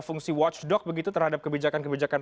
fungsi watchdog begitu terhadap kebijakan kebijakan